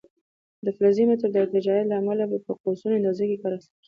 د فلزي متر د ارتجاعیت له امله په قوسونو اندازه کې کار اخیستل کېږي.